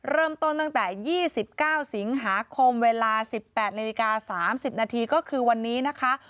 เริ่มต้นตั้งแต่๒๙สิงหาคมเวลา๑๘นาฬิกา๓๐นาทีก็คือวันนี้นะคะ